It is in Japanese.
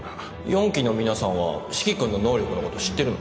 四鬼の皆さんは四鬼君の能力のこと知ってるの？